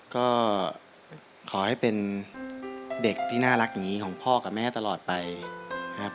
ก็ขอให้เป็นเด็กที่น่ารักอย่างนี้ของพ่อกับแม่ตลอดไปนะครับ